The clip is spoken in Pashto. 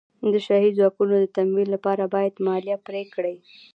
د شاهي ځواکونو د تمویل لپاره باید مالیه پرې کړي.